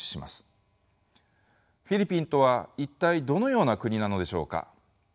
フィリピンとは一体どのような国なのでしょうか？